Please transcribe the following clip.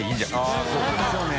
あっそうですね。